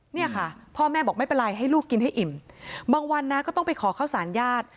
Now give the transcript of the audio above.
เนี่ยค่ะพ่อแม่บอกไม่เป็นไรให้ลูกกินให้อิ่มบางวันนะก็ต้องไปขอข้าวสารญาติ